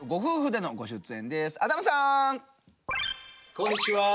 こんにちは。